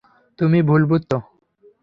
তুমি ভুল বুঝছ?